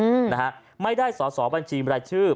อืมนะฮะไม่ได้สอสอบัญชีบรายชื่อ